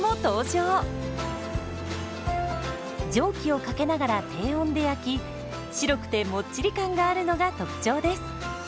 蒸気をかけながら低温で焼き白くてもっちり感があるのが特徴です。